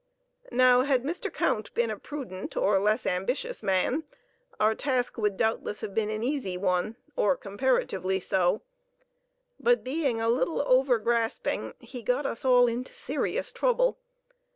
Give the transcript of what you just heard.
Now, had Mr. Count been a prudent or less ambitious man, our task would doubtless have been an easy one, or comparatively so; but, being a little over grasping, he got us all into serious trouble.